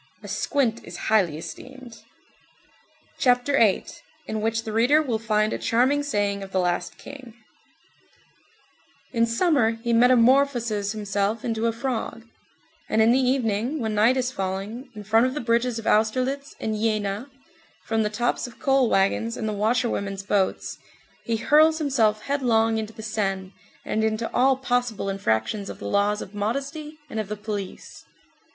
A squint is highly esteemed. CHAPTER VIII—IN WHICH THE READER WILL FIND A CHARMING SAYING OF THE LAST KING In summer, he metamorphoses himself into a frog; and in the evening, when night is falling, in front of the bridges of Austerlitz and Jena, from the tops of coal wagons, and the washerwomen's boats, he hurls himself headlong into the Seine, and into all possible infractions of the laws of modesty and of the police.